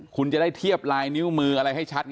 คุณจะได้เทียบลายนิ้วมืออะไรให้ชัด